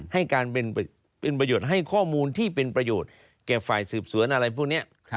ให้การเป็นประโยชน์ให้ข้อมูลที่เป็นประโยชน์แก่ฝ่ายสืบสวนอะไรพวกนี้